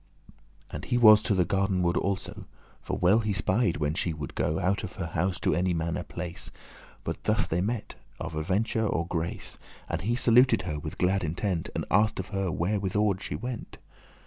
* *promised And he was to the garden ward also; For well he spied when she woulde go Out of her house, to any manner place; But thus they met, of aventure or grace, And he saluted her with glad intent, And asked of her whitherward she went.